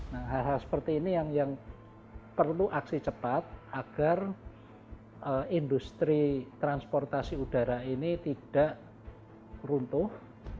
nah hal hal seperti ini yang perlu aksi cepat agar industri transportasi udara ini tidak runtuh